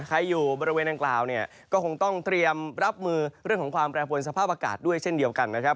ใครอยู่บริเวณดังกล่าวเนี่ยก็คงต้องเตรียมรับมือเรื่องของความแปรปวนสภาพอากาศด้วยเช่นเดียวกันนะครับ